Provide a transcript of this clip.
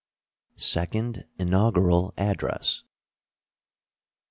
SECOND INAUGURAL ADDRESS.